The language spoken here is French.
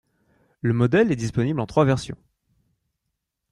Le modèle est disponible en trois versions.